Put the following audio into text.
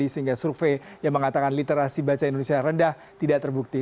sehingga survei yang mengatakan literasi baca indonesia rendah tidak terbukti